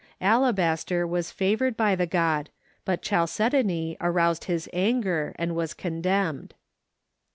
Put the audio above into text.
Alabaster was favored by the god, but chalcedony aroused his anger and was condemned.